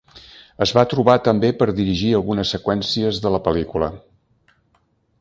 Es va trobar també per dirigir algunes seqüències de la pel·lícula.